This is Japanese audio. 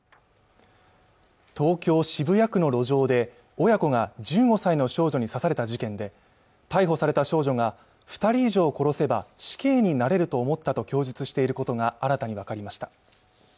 東京渋谷区の路上で親子が１５歳の少女に刺された事件で逮捕された少女が二人以上殺せば死刑になれると思ったと供述していることが新たに分かりました